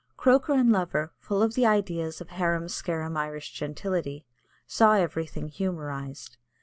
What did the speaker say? Croker and Lover, full of the ideas of harum scarum Irish gentility, saw everything humorised.